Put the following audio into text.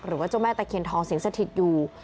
หรือว่าเจ้าแม่ตะเคียนทองสิงสะทิดอยู่